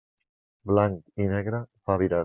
Blanc i negre, fa virat.